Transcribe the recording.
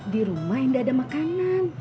di rumah nggak ada makanan